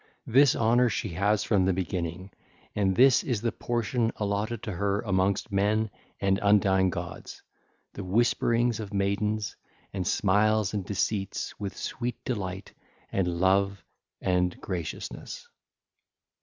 This honour she has from the beginning, and this is the portion allotted to her amongst men and undying gods,—the whisperings of maidens and smiles and deceits with sweet delight and love and graciousness.